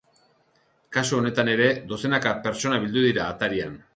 Kasu honetan ere, dozenaka pertsona bildu dira atarian.